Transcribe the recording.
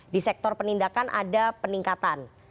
di sektor penindakan ada peningkatan